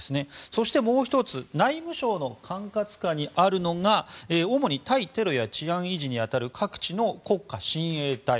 そしてもう１つ、内務省の管轄下にあるのが主に対テロや治安維持に当たる各地の国家親衛隊。